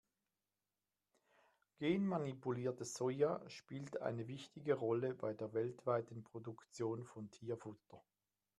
Genmanipuliertes Soja spielt eine wichtige Rolle bei der weltweiten Produktion von Tierfutter.